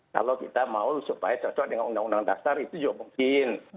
kalau kita mau supaya cocok dengan undang undang dasar itu juga mungkin